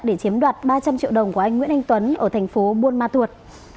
để chiếm đoạt ba trăm linh triệu đồng của anh nguyễn anh tuấn ở thành phố buôn ma thuột